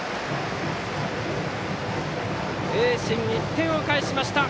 盈進、１点を返しました。